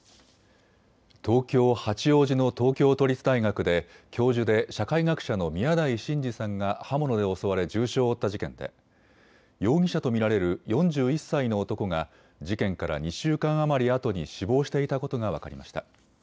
東京八王子の東京都立大学で教授で社会学者の宮台真司さんが刃物で襲われ重傷を負った事件で、容疑者と見られる４１歳の男が事件から２週間余りあとに死亡していたことが分かりました。